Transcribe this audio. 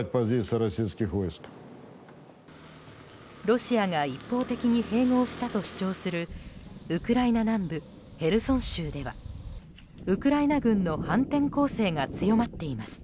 ロシアが一方的に併合したと主張するウクライナ南部ヘルソン州ではウクライナ軍の反転攻勢が強まっています。